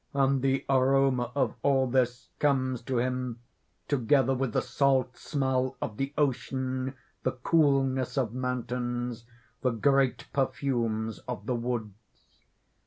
_ _And the aroma of all this comes to him together with the salt smell of the ocean, the coolness of mountains, the great perfumes of the woods.